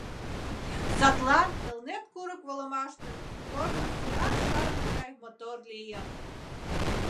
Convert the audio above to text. Садлан Элнет курык волымаште корно суран шарыме гай мотор лийын.